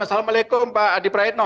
assalamualaikum pak adi praetno